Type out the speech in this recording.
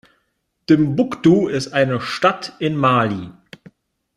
Timbuktu ist eine Stadt in Mali.